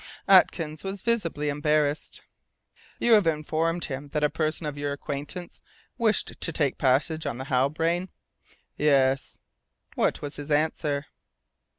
Atkins was visibly embarrassed. "You have informed him that a person of your acquaintance wished to take passage on the Halbrane?" "Yes." "What was his answer?"